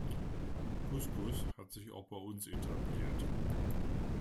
Couscous hat sich auch bei uns etabliert.